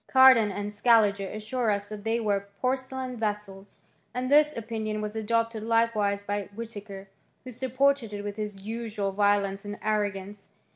Cardan and Scaliger assure us that they were porcelain vessels ; and this opinion was adopted likewise by Whitaker, who supported it with his usual violence and arrogance.